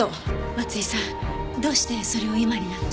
松井さんどうしてそれを今になって。